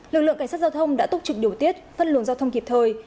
lực lượng cảnh sát giao thông đã túc trực điều tiết phân luồng giao thông kịp thời